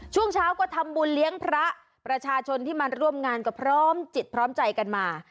ช่วงเช้าก็ทำบุญเลี้ยงพระประชาชนที่มาร่วมงานก็พร้อมจิตพร้อมใจกันมา